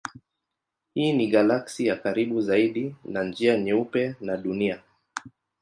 Hii ni galaksi ya karibu zaidi na Njia Nyeupe na Dunia.